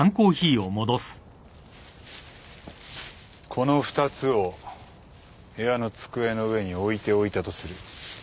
この２つを部屋の机の上に置いておいたとする。